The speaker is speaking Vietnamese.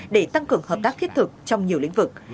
để tăng cường hợp tác thiết thực trong nhiều lĩnh vực